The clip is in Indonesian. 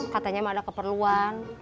katanya nggak ada keperluan